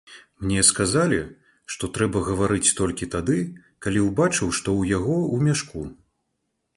Мне сказалі, што трэба гаварыць толькі тады, калі ўбачыў, што ў яго ў мяшку.